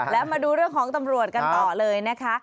แล้วมาดูเรื่องของตำรวจกันต่อเลยนะคะ